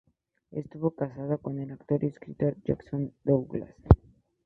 Estuvo casada con el actor y escritor Jackson Douglas.